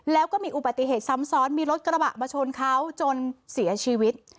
แล้วก็มีอุบัติเหตุซ้ำซ้อนมีรถกระบะมาชนเขาจนเสียชีวิต